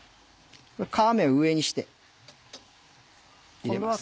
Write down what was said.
皮目を上にして入れます。